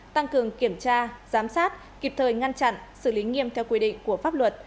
tăng cường kiểm tra giám sát kịp thời ngăn chặn xử lý nghiêm theo quy định của pháp luật